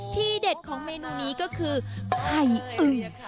เด็ดของเมนูนี้ก็คือไข่อึก